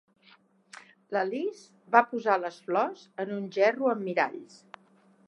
La Liz va posar les flors en un gerro amb miralls.